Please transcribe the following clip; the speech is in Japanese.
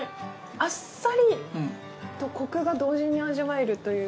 あっさりとコクが同時に味わえるという。